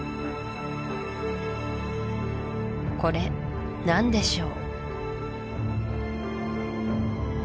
これ何でしょう